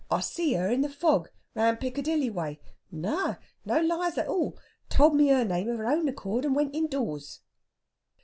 I see her in the fog round Piccadilly way.... No, no lies at all! Told me her name of her own accord, and went indoors."